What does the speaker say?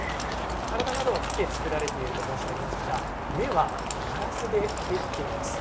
体などは木で作られていると申し上げましたが目は、ガラスでできています。